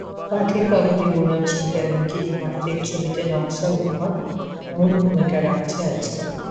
কাঠের কাজে বুননশিল্পে এমনকি দ্বিমাত্রিক ছবিতে নকশার বুনট মূল ভূমিকা রাখছে আজকাল।